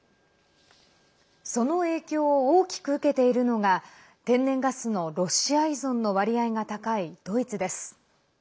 その影響を大きく受けているのが天然ガスのロシア依存の割合が高いドイツです。